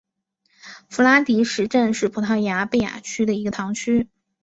弗拉迪什镇是葡萄牙贝雅区的一个堂区。